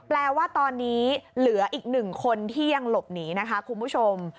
แปลว่าตอนนี้เหลืออีกหนึ่งคนที่ยังหลบหนีนะคะคุณผู้ชม